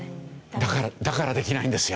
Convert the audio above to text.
だからできないんですよ。